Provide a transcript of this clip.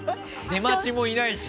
出待ちもいないし。